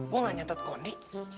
gue gak nyatet kondi